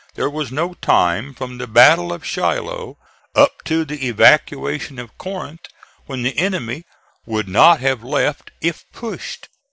There was no time from the battle of Shiloh up to the evacuation of Corinth when the enemy would not have left if pushed.